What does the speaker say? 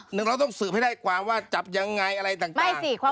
หนึ่งเราต้องสืบให้ได้ความว่าจับยังไงอะไรต่าง